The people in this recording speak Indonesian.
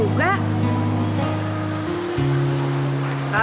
nuh apa apa